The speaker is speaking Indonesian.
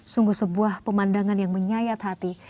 sungguh sebuah pemandangan yang menyayat hati